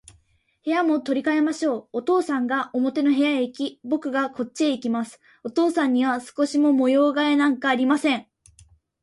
部屋も取り変えましょう。お父さんが表の部屋へいき、ぼくがこっちへきます。お父さんには少しも模様変えなんかありません。